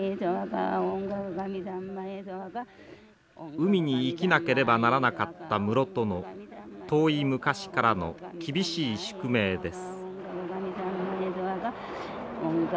海に生きなければならなかった室戸の遠い昔からの厳しい宿命です。